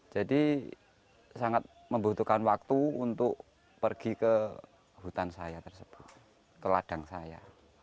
jadi sangat membutuhkan waktu untuk pergi ke hutan saya tersebut ke ladang saya